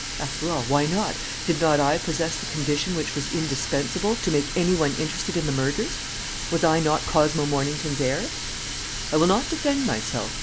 After all, why not? Did not I possess the condition which was indispensable to make any one interested in the murders? Was I not Cosmo Mornington's heir? "I will not defend myself.